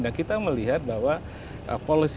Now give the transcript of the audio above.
dan kita melihat bahwa policy tentang itu baru akhirnya terlihat